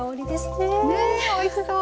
ねおいしそう。